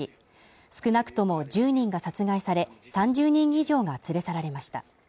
少なくとも１０人が殺害され、３０人以上が連れ去られました。